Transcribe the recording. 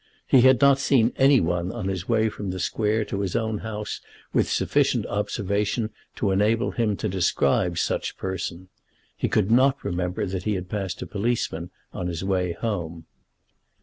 He had not seen any one on his way from the Square to his own house with sufficient observation to enable him to describe such person. He could not remember that he had passed a policeman on his way home.